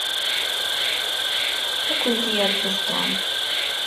Ad kent-yerfed Tom.